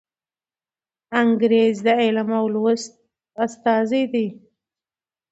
انګریز د علم او لوست استازی دی.